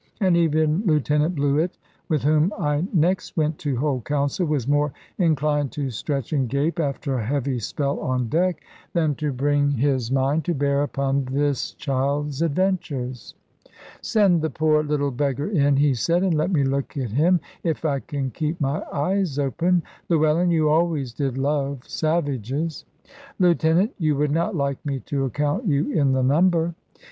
And even Lieutenant Bluett, with whom I next went to hold counsel, was more inclined to stretch and gape, after a heavy spell on deck, than to bring his mind to bear upon this child's adventures. "Send the poor little beggar in," he said, "and let me look at him, if I can keep my eyes open. Llewellyn, you always did love savages." "Lieutenant, you would not like me to account you in the number."